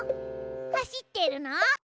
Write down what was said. はしってるの？